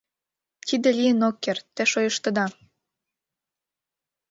Тиде лийын ок керт, те шойыштыда.